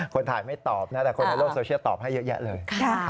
คนถ่ายไม่ตอบนะแต่คนในโลกโซเชียลตอบให้เยอะแยะเลย